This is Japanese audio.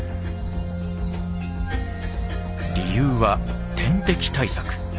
理由は天敵対策。